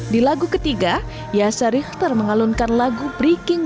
di lagu ketiga yasa richter mengalunkan lagu breaking